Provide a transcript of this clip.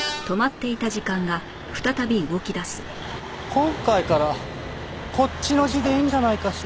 今回からこっちの字でいいんじゃないかしら？